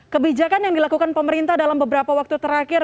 kebijakan yang dilakukan pemerintah dalam beberapa waktu terakhir